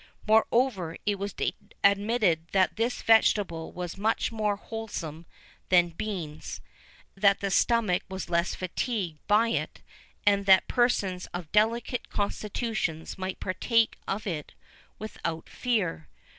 [VIII 24] Moreover, it was admitted that this vegetable was much more wholesome than beans, that the stomach was less fatigued by it, and that persons of delicate constitutions might partake of it without fear.